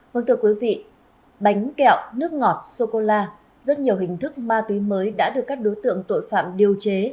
vâng thưa quý vị bánh kẹo nước ngọt sô cô la rất nhiều hình thức ma túy mới đã được các đối tượng tội phạm điều chế